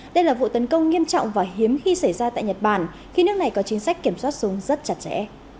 đây là vụ tấn công nghiêm trọng và hiếm khi xảy ra tại nhật bản khi nước này có chính sách kiểm soát súng rất chặt chẽ